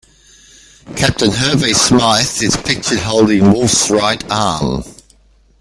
Captain Hervey Smythe is pictured holding Wolfe's right arm.